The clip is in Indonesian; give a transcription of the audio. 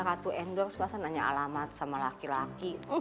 ratu endorse bahasa nanya alamat sama laki laki